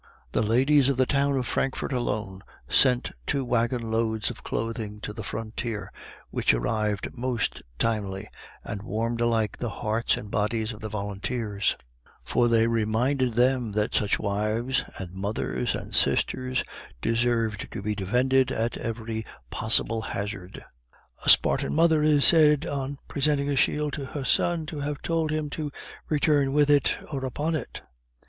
The ladies of the town of Frankfort, alone, sent two wagon loads of clothing to the frontier, which arrived most timely, and warmed alike the hearts and bodies of the volunteers, for they reminded them that such wives and mothers and sisters deserved to be defended at every possible hazard. A Spartan mother is said, on presenting a shield to her son, to have told him "to return, with it or upon it."